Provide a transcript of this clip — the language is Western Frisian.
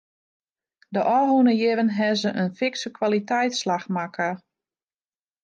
De ôfrûne jierren hawwe se in fikse kwaliteitsslach makke.